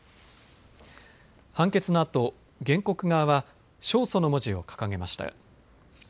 判決のあと原告側は勝訴の文字を掲げました。